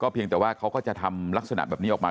เพียงแต่ว่าเขาก็จะทำลักษณะแบบนี้ออกมา